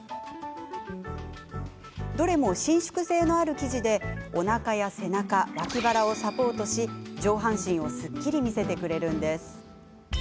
どれも伸縮性のある生地でおなかや背中、脇腹をサポートして、上半身をすっきり見せてくれるんです。